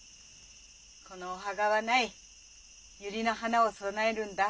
このお墓はないユリの花を供えるんだ。